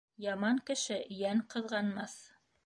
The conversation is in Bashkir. Яман кеше йән ҡыҙғанмаҫ.